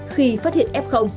khi phát hiện f